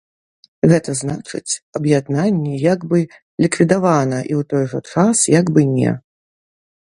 Гэта значыць аб'яднанне як бы ліквідавана і ў той жа час як бы не.